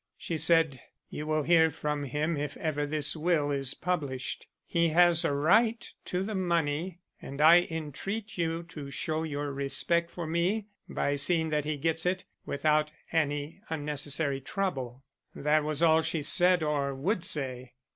She said, 'You will hear from him if ever this will is published. He has a right to the money and I entreat you to show your respect for me by seeing that he gets it without any unnecessary trouble.' That was all she said or would say.